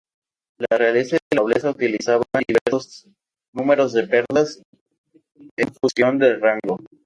La realeza y la nobleza utilizaban diversos números de perlas en función del rango.